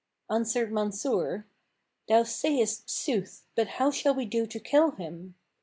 Answered Mansur, "Thou sayest sooth, but how shall we do to kill him?"